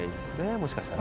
もしかしたら。